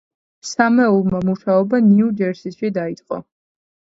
სამეულმა მუშაობა ნიუ-ჯერსიში დაიწყო.